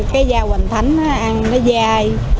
cái dao hoành thánh ăn nó dai